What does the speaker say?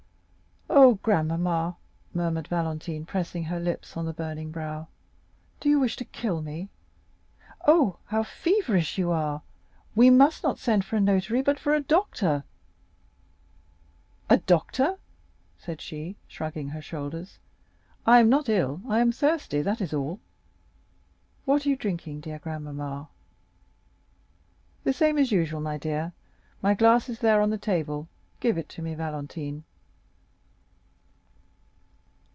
"Ah, grandmamma," murmured Valentine, pressing her lips on the burning brow, "do you wish to kill me? Oh, how feverish you are; we must not send for a notary, but for a doctor!" "A doctor?" said she, shrugging her shoulders, "I am not ill; I am thirsty—that is all." 30323m "What are you drinking, dear grandmamma?" "The same as usual, my dear, my glass is there on the table—give it to me, Valentine."